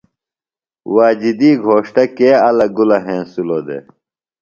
واجدی گھوݜٹہ کے الہ گُلہ ہنسِلوۡ دےۡ؟